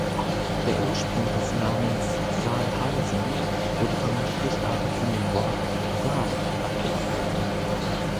Der Ursprung des Namens "Saalhausen" wurde vermutlich aber von dem Wort "Saal" abgeleitet.